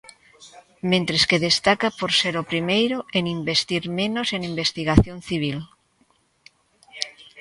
Mentres que destaca por ser o primeiro en investir menos en investigación civil.